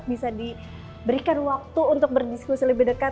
bisa diberikan waktu untuk berdiskusi lebih dekat